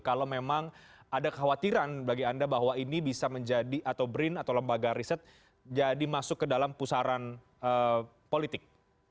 kalau memang ada kekhawatiran bagi anda bahwa ini bisa menjadi atau brin atau lembaga riset jadi masuk ke dalam pusaran politik